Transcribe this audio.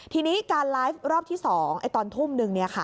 ทีนี้การไลฟ์รอบที่๒ตอนทุ่มนึง